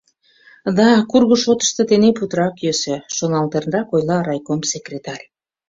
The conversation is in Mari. — Да, курго шотышто тений путырак йӧсӧ, — шоналтенрак ойла райком секретарь.